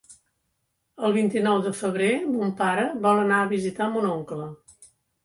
El vint-i-nou de febrer mon pare vol anar a visitar mon oncle.